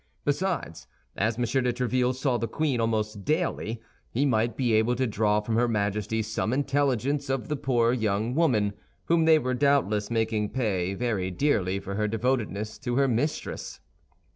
Besides, as M. de Tréville saw the queen almost daily, he might be able to draw from her Majesty some intelligence of the poor young woman, whom they were doubtless making pay very dearly for her devotedness to her mistress.